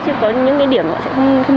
chứ có những cái điểm họ sẽ không dừng